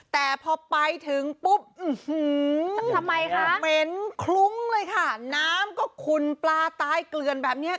แต่พอไปถึงปุ๊บทำไมคะเหม็นคลุ้งเลยค่ะน้ำก็ขุนปลาตายเกลือนแบบเนี้ย